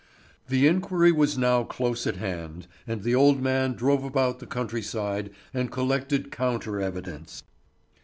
The inquiry was now close at hand, and the old man drove about the country side and collected counter evidence.